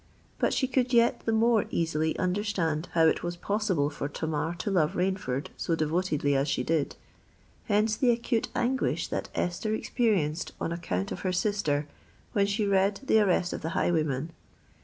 But she could yet the more easily understand how it was possible for Tamar to love Rainford so devotedly as she did. Hence the acute anguish that Esther experienced, on account of her sister, when she read the arrest of the highwayman.